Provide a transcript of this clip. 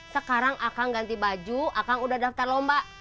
sekarang akang ganti baju akang udah daftar lomba